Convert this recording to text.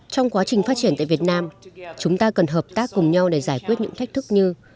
trong quá trình phát triển tại việt nam chúng ta cần hợp tác cùng nhau để giải quyết những thách thức như